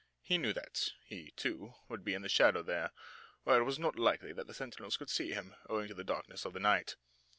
He knew that he, too, would be in the shadow there, where it was not likely that the sentinels could see him owing to the darkness of the night.